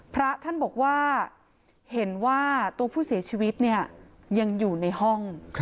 พระท่านบอกว่าเห็นว่าตัวผู้เสียชีวิตเนี่ยยังอยู่ในห้อง